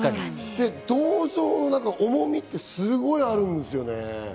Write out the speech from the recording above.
銅像の重みってすごいあるんですよね。